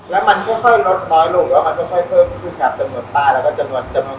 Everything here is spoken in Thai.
แล้วมันก็เพิ่มรถบ่อยลูกมันก็เพิ่มรถบ่อยลูก